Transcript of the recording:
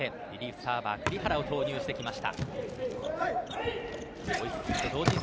サーバー栗原を投入しました。